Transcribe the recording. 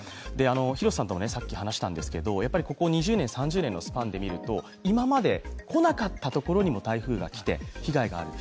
広瀬さんともさっき話したんですけど、ここ２０年、３０年のスパンで見ると、今まで来なかったところにも台風が来て被害がある。